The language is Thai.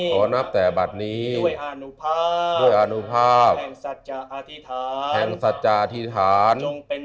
ขอนับแต่บัตรนี้ด้วยอนุภาพแห่งสัจจาอธิษฐาน